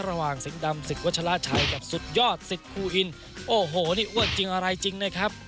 สิงห์ดำศึกวัชลาชัยกับสุดยอดสิทธิ์ครูอินโอ้โหนี่อ้วนจริงอะไรจริงนะครับ